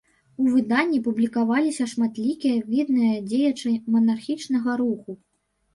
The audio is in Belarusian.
У выданні публікаваліся шматлікія відныя дзеячы манархічнага руху.